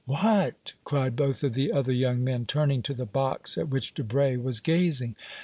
"What?" cried both of the other young men, turning to the box at which Debray was gazing.